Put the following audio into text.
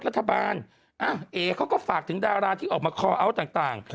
เอ๊ะเขาก็ฝากถึงดาราที่ออกมาคออัลต่าง